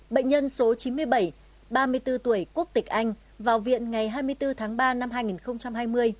bệnh nhân số chín mươi bảy ba mươi bốn tuổi quốc tịch anh vào viện ngày hai mươi bốn tháng ba năm hai nghìn hai mươi